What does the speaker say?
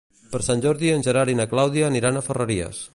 Per Sant Jordi en Gerard i na Clàudia aniran a Ferreries.